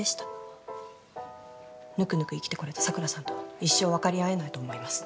ぬくぬく生きてこれた桜さんとは一生分かり合えないと思います。